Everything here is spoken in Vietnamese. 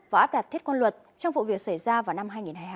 và áp đặt thiết quan luật trong vụ việc xảy ra vào năm hai nghìn hai mươi hai